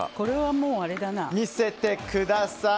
見せてください。